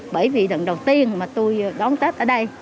bởi vì lần đầu tiên mà tôi đón tết ở đây